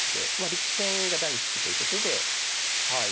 力戦が大好きということではい